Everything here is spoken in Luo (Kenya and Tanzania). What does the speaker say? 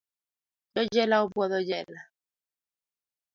Jo jela obwotho jela.